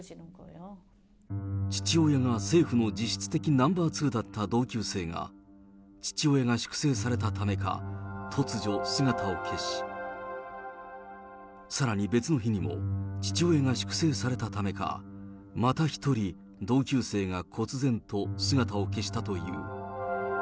父親が政府の実質的ナンバー２だった同級生が、父親が粛清されたためか、突如、姿を消し、さらに別の日にも、父親が粛清されたためか、また１人、同級生がこつ然と姿を消したという。